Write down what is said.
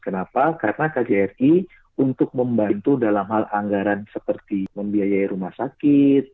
kenapa karena kjri untuk membantu dalam hal anggaran seperti membiayai rumah sakit